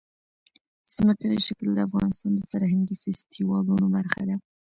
ځمکنی شکل د افغانستان د فرهنګي فستیوالونو برخه ده.